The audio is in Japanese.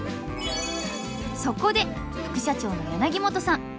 そこで副社長の柳本さん。